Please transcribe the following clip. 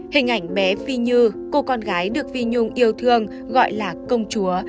hình ảnh bé phi như cô con gái được vi nhung yêu thương gọi là công chúa